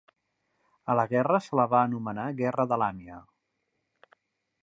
A la guerra se la va anomenar guerra de Làmia.